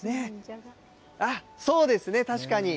そうですね、確かに。